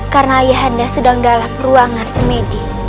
karena ayahanda sedang dalam ruangan semedi